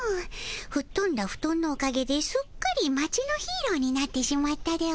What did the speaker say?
ふっとんだフトンのおかげですっかり町のヒーローになってしまったでおじゃる。